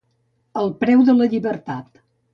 El preu de la llibertat.